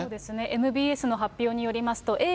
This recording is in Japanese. ＭＢＳの発表によりますと、Ａぇ！